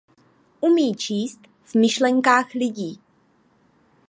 Umí číst v myšlenkách lidí.